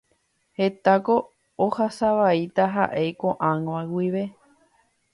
Hetáko ohasavaíta ha'e ko'ág̃a guive.